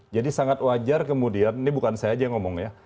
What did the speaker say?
jadi sangat wajar kemudian ini bukan saya aja yang ngomong ya